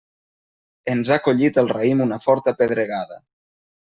Ens ha collit el raïm una forta pedregada.